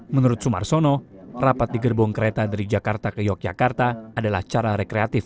menurut sumarsono rapat di gerbong kereta dari jakarta ke yogyakarta adalah cara rekreatif